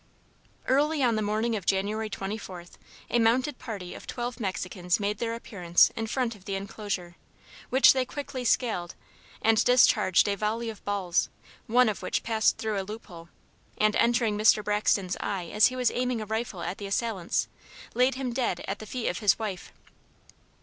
Early on the morning of January 24th a mounted party of twelve Mexicans made their appearance in front of the enclosure, which they quickly scaled, and discharged a volley of balls, one of which passed through a loop hole, and, entering Mr. Braxton's eye as he was aiming a rifle at the assailants, laid him dead at the feet of his wife.